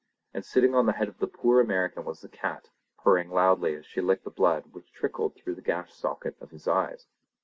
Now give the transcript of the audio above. And sitting on the head of the poor American was the cat, purring loudly as she licked the blood which trickled through the gashed socket of his eyes.